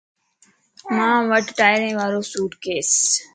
مان وٽ ٽائرين وارو سوٽ ڪيس